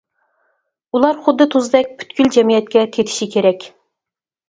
ئۇلار خۇددى تۇزدەك پۈتكۈل جەمئىيەتكە تېتىشى كېرەك.